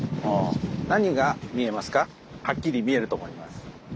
はっきり見えると思います。